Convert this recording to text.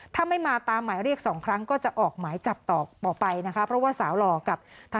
ถ้าไม่มาตามหมายเรียก๒ครั้งก็จะออกหมายจับต่อไปนะคะ